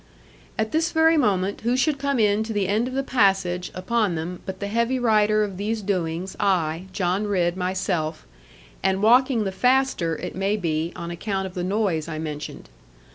At this very moment, who should come into the end of the passage upon them but the heavy writer of these doings I, John Ridd myself, and walking the faster, it may be, on account of the noise I mentioned.